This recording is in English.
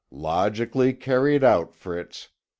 "Logically carried out, Fritz.